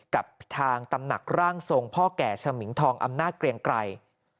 กับทางตำหนักร่างทรงพ่อแก่สมิงทองอำนาจเกรียงไกร